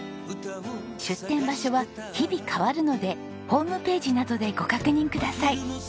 出店場所は日々変わるのでホームページなどでご確認ください。